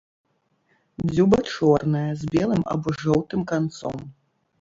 Дзюба чорная, з белым або жоўтым канцом.